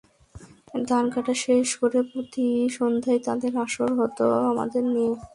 ধান কাটা শেষ করে প্রতি সন্ধ্যায় তাদের আসর হতো আমাদের নিয়ে।